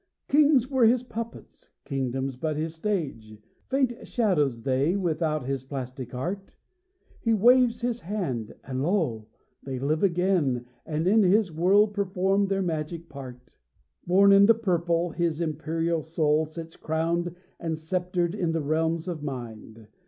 Kings were his puppets, kingdoms but his stage, Faint shadows they without his plastic art, He waves his wand, and lo! they live again, And in his world perform their mimic part. Born in the purple, his imperial soul Sits crowned and sceptred in the realms of mind.